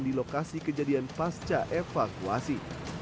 di lokasi kejadian pasca evakuasi